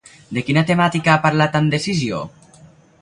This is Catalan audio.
De quina temàtica ha parlat amb decisió?